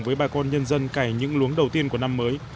với bà con nhân dân cày những luống đầu tiên của năm mới